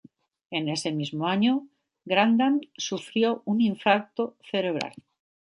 Ese mismo año, Grantham sufrió un infarto cerebral.